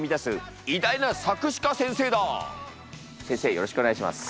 よろしくお願いします。